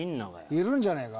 いるんじゃねえか？